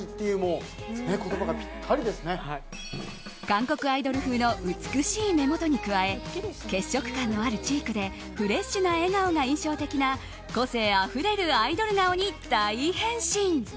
韓国アイドル風の美しい目元に加え血色感のあるチークでフレッシュな笑顔が印象的な個性あふれるアイドル顔に大変身。